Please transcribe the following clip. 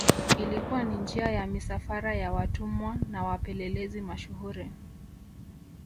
Ilikuwa ni njia ya misafara ya watumwa na wapelelezi mashuhuri